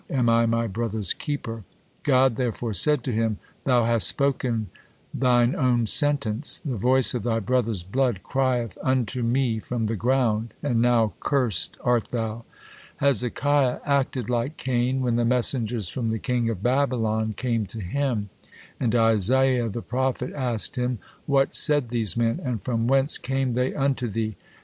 Am I my brother's keeper?" God therefore said to him: "Thou hast spoken thin own sentence. The voice of thy brother's blood crieth unto Me from the ground, and now cursed art thou." Hezekiah acted like Cain when the messengers from the king of Babylon came to him, and Isaiah the prophet asked him, "What said these men? And from whence came they unto thee?"